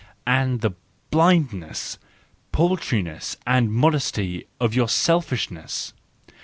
And the blindness, paltriness, and modesty of your selfish¬ ness